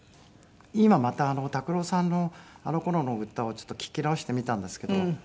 今また拓郎さんのあの頃の歌をちょっと聴き直してみたんですけど。